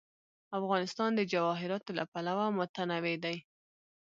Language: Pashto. افغانستان د جواهرات له پلوه متنوع دی.